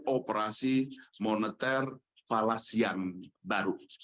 operasi moneter falas yang baru